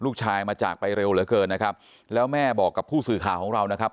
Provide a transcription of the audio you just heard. ลูกชายมาจากไปเร็วเหลือเกินนะครับแล้วแม่บอกกับผู้สื่อข่าวของเรานะครับ